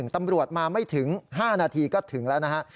ตำรวจมาไม่ถึง๕นาทีก็ถึงแล้วนะฮะ